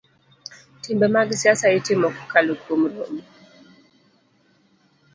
Timbe mag siasa itimo kokalo kuom romo